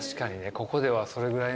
ここではそれぐらいの。